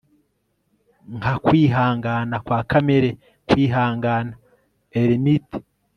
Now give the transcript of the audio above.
nka kwihangana kwa kamere kwihangana eremite